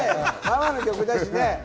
ママの曲だしね。